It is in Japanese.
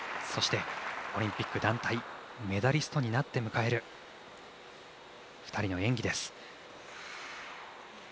そして、オリンピック団体メダリストになって迎える２人の演技です。